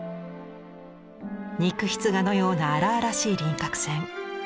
肉筆画のような荒々しい輪郭線。